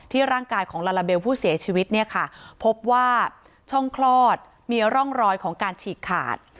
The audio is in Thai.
ร่างกายของลาลาเบลผู้เสียชีวิตเนี่ยค่ะพบว่าช่องคลอดมีร่องรอยของการฉีกขาด